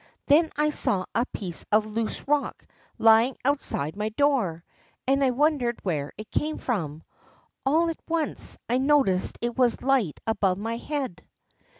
Then I saw a piece of loose rock lying outside my door, and wondered where it came from. All at once I noticed it was light above my head.